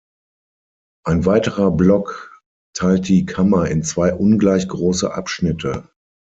Ein weiterer Block teilt die Kammer in zwei ungleich große Abschnitte.